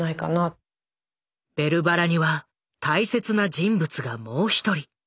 「ベルばら」には大切な人物がもう一人。